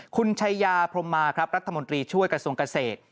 คุณชายาพรมมาครับรัฐมนตรีช่วยกระทรวงเกษตร